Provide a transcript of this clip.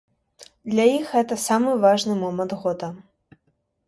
Для іх гэта самы важны момант года.